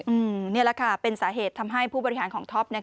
นี่แหละค่ะเป็นสาเหตุทำให้ผู้บริหารของท็อป